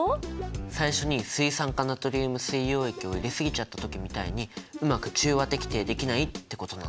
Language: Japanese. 最初に水酸化ナトリウム水溶液を入れ過ぎちゃった時みたいにうまく中和滴定できないってことなんだね。